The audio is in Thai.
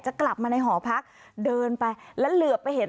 กลับมาในหอพักเดินไปแล้วเหลือไปเห็น